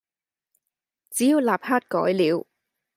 只要立刻改了，